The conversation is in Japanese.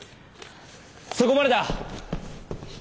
そこまでだ！